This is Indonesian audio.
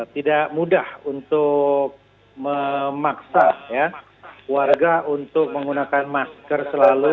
tidak mudah untuk memaksa warga untuk menggunakan masker selalu